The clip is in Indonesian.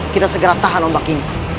kita segera tahan ombak ini